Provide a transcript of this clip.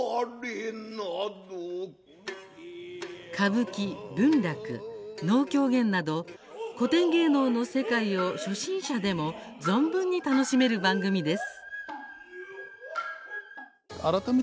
歌舞伎、文楽、能、狂言など古典芸能の世界を初心者でも存分に楽しめる番組です。